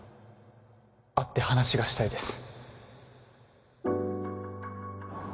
会って話がしたいです